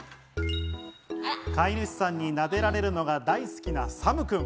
飼い主さんになでられるのが大好きなサムくん。